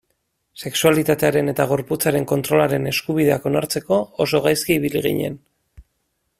Sexualitatearen eta gorputzaren kontrolaren eskubideak onartzeko oso gaizki ibili ginen.